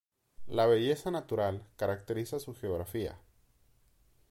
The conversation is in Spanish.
La belleza natural caracteriza su geografía.